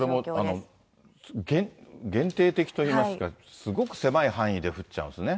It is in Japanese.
これも限定的といいますか、すごく狭い範囲で降っちゃうんですね。